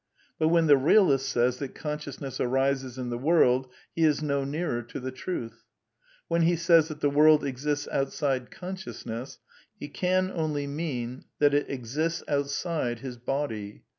But when the realist says that consciousness arises in the world he is no nearer to the truth. When he says that the world exists outside consciousness, he can only mean that it exists outside his body.